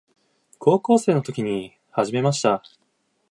高校生の時に始めました。